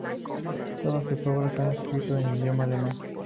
Toda su obra la ha escrito en idioma alemán.